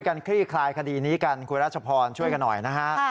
คลี่คลายคดีนี้กันคุณรัชพรช่วยกันหน่อยนะฮะ